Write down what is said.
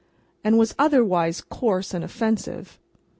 —and was otherwise coarse and offensive.